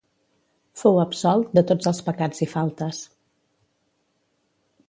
Fou absolt de tots els pecats i faltes.